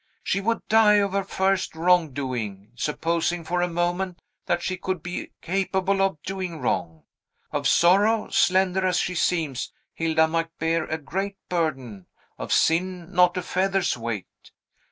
She would die of her first wrong doing, supposing for a moment that she could be capable of doing wrong. Of sorrow, slender as she seems, Hilda might bear a great burden; of sin, not a feather's weight.